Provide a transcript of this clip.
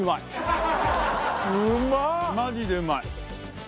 マジでうまい。